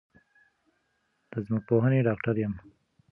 د ځمکپوهنې ډاکټر یم